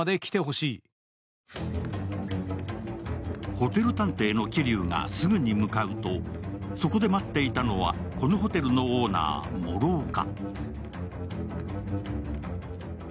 ホテル探偵の桐生がすぐに向かうと、そこで待っていたのはこのホテルのオーナー・諸岡。